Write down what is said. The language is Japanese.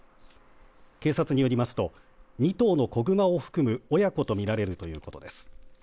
警察によりますと２頭の子熊を含む親子と見られるということです。